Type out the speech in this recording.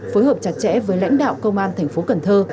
phối hợp chặt chẽ với lãnh đạo công an thành phố cần thơ